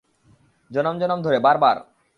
জনম জনম ধরে, বারবার!